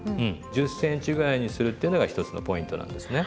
１０ｃｍぐらいにするっていうのが一つのポイントなんですね。